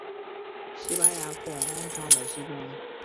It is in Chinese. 西班牙广场的西端。